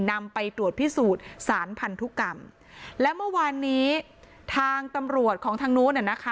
นำไปตรวจพิสูจน์สารพันธุกรรมและเมื่อวานนี้ทางตำรวจของทางนู้นน่ะนะคะ